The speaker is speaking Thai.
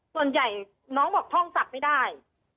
ส่วนใหญ่น้องบอกท่องสับไม่ได้